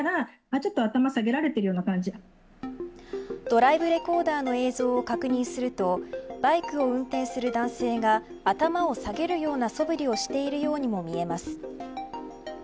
ドライブレコーダーの映像を確認するとバイクを運転する男性が頭を下げるようなそぶりをしているようにも見えます。